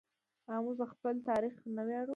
آیا موږ په خپل تاریخ نه ویاړو؟